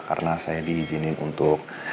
karena saya diizinin untuk